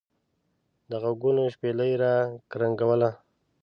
دغوږونو شپېلۍ را کرنګوله.